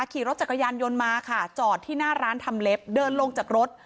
ขี่รถจักรยานยนต์มาค่ะจอดที่หน้าร้านทำเล็บเดินลงจากรถ